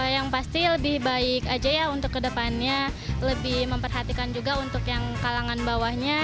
yang pasti lebih baik aja ya untuk kedepannya lebih memperhatikan juga untuk yang kalangan bawahnya